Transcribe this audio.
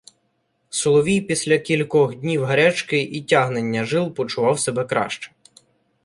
Соловій після кількохднів гарячки і "тягнення жил" почував себе краще.